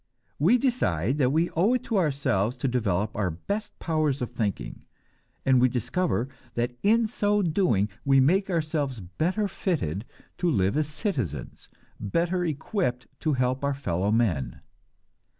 We decide that we owe it to ourselves to develop our best powers of thinking, and we discover that in so doing we make ourselves better fitted to live as citizens, better equipped to help our fellow men.